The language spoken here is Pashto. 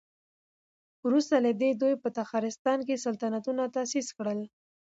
وروسته له دې دوی په تخارستان کې سلطنتونه تاسيس کړل